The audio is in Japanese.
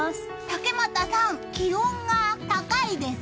竹俣さん、気温が高いです。